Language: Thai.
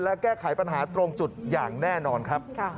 และแก้ไขปัญหาตรงจุดอย่างแน่นอนครับ